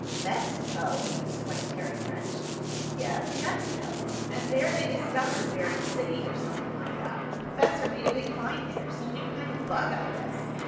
"Mexico!" exclaimed Harry French. "Yes, Mexico. And there they discovered a buried city, or something like that. The professor made a big find there some new kind of bug I guess.